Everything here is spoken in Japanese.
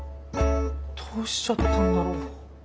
どうしちゃったんだろ？